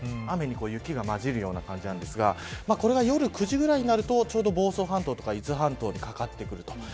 雨に雪がまじるような感じなんですがこれが夜９時くらいになると房総半島や伊豆半島にかかってくる。